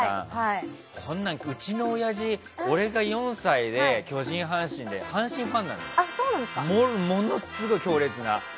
こんなのうちの親父俺が４歳で阪神ファンなのものすごい強烈な。